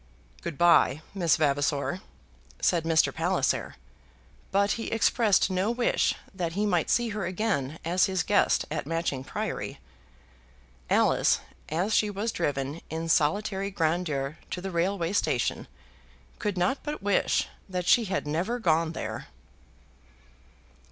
"Good bye, Miss Vavasor," said Mr. Palliser; but he expressed no wish that he might see her again as his guest at Matching Priory. Alice, as she was driven in solitary grandeur to the railway station, could not but wish that she had never gone there.